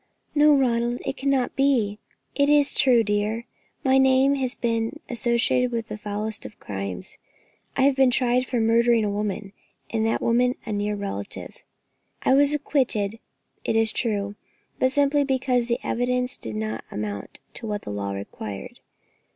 "No, Ronald, no; it cannot be." "It is true, dear; my name has been associated with the foulest of crimes. I have been tried for murdering a woman, and that woman a near relative. I was acquitted, it is true: but simply because the evidence did not amount to what the law required.